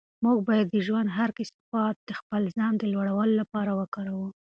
موږ باید د ژوند هر کثافت د خپل ځان د لوړولو لپاره وکاروو.